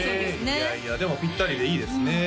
いやいやでもピッタリでいいですね